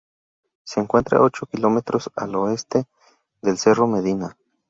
Se encuentra a ocho kilómetros al oeste del Cerro Medina.